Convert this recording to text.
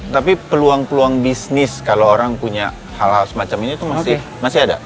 tapi peluang peluang bisnis kalau orang punya hal hal semacam ini itu masih ada